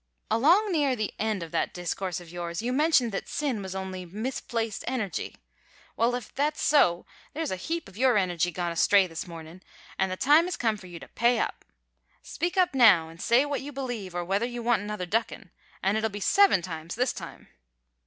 "Along near the end of that discourse of yours you mentioned that sin was only misplaced energy. Well, if that's so there's a heap of your energy gone astray this mornin', an' the time has come for you to pay up. Speak up now an' say what you believe or whether you want another duckin' an' it'll be seven times this time!"